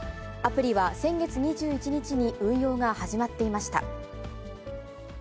アプリは先月２１日に運用が始まっていました。